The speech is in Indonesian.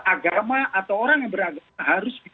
agama atau orang yang beragama harus